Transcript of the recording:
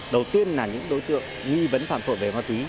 đầu tiên là những đối tượng nghi vấn phòng